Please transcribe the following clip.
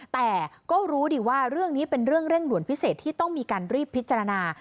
แต่ก็รู้ดีว่าเรื่องนี้เป็นเรื่องเร่งด่วนพิเศษที่ต้องมีการรีบพิจารณา